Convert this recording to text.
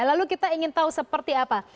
lalu kita ingin tahu seperti apa